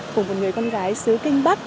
cũng một người con gái xứ kinh bắc